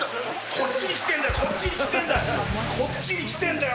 こっち来て、こっちに来てんだよ、こっちに来てるんだよ。